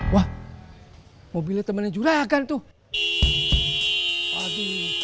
wah mobilnya temannya juragan tuh pagi